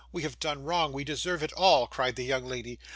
We have done wrong, we deserve it all,' cried the young lady.